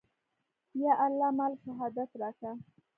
يا الله ما له شهادت راکه.